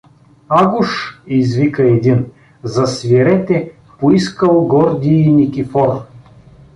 — Агуш — извика един, — засвирете „Поискал гордий Никифор“.